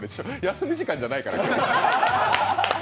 休み時間じゃないから。